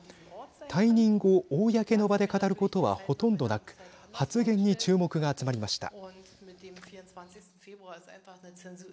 退任後、公の場で語ることはほとんどなく発言に注目が集まりました。